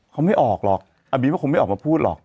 เขาไม่ออกหรอกอาบีฟก็คงไม่ออกมาพูดหรอก